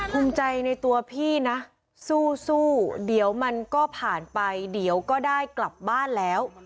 ภูมิใจในตัวพี่นะสู้เดี๋ยวมันก็ผ่านไปเดี๋ยวก็ได้กลับบ้านแล้ว